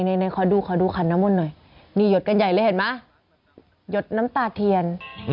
นี่ขอดูขอดูขันน้ำมนต์หน่อยนี่หยดกันใหญ่เลยเห็นไหมหยดน้ำตาเทียน